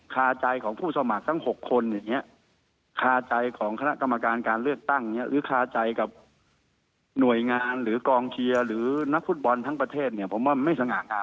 คาใจของผู้สมัครทั้ง๖คนอย่างนี้